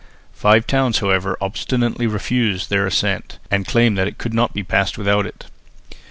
Five towns however obstinately refused their assent, and claimed that it could not be passed without it.